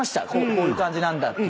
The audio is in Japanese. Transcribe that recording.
こういう感じなんだっていう。